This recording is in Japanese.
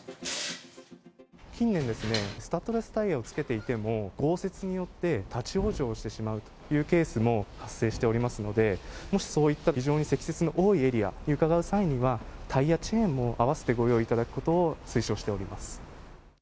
近年、スタッドレスタイヤをつけていても、豪雪によって立往生してしまうというケースも発生しておりますので、もし、そういった非常に積雪の多いエリアに伺う際には、タイヤチェーンも合わせてご用意いただくことを推奨しております。